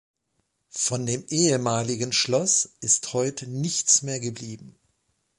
Von dem ehemaligen Schloss ist heute nichts mehr geblieben.